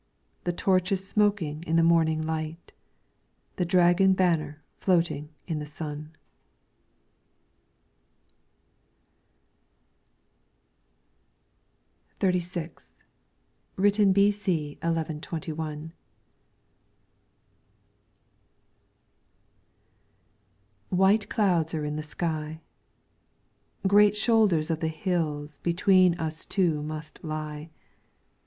The torch is smoking in the morning light, The dragon banner floating in the sun. LYRICS FROM THE CHINESE XXXVI Written b.c. 1121. White clouds are in the sky. Great shoulders of the hills Between us two must lie.